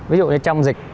ví dụ như trong dịch